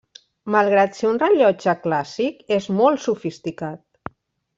Malgrat ser un rellotge clàssic, és molt sofisticat.